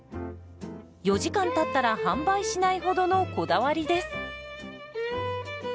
４時間たったら販売しないほどのこだわりです。